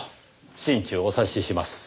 心中お察しします。